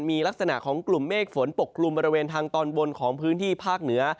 มีลักษณะของกลุ่มเมฆฝนปกกลุ่มบริเวณทางตอนบนของพื้นที่ภาคเหนือ